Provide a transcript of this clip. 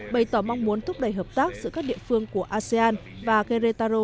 bày tỏ mong muốn thúc đẩy hợp tác giữa các địa phương của asean và gretaro